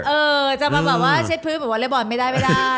เออจะออกให้เช็ดพื้นหรือวัลเลอร์บอทไม่ได้